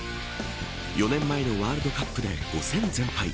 ４年前のワールドカップで５戦全敗。